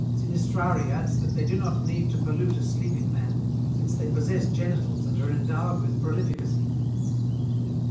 Sinistrari adds that they do not need to pollute a sleeping man, since they possess genitals and are endowed with prolificacy."